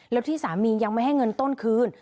แล้วที่สามียังไม่ให้เงินต้นคืน